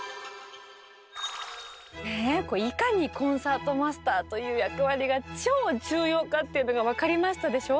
ねえいかにコンサートマスターという役割が超重要かっていうのが分かりましたでしょ。